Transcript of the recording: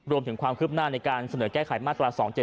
รวมถึงความคืบหน้าในการเสนอแก้ไขมาตรา๒๗๒